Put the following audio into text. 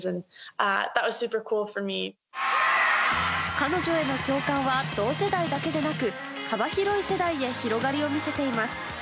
彼女への共感は同世代だけでなく幅広い世代へ広がりを見せています。